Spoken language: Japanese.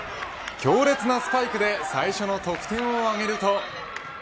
強烈なスパイクで最初の得点を挙げると。